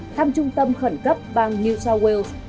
thăm trung tâm khẩn cấp bang new south wales